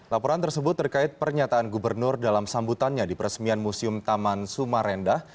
laporan tersebut terkait pernyataan gubernur dalam sambutannya di peresmian museum taman sumarendah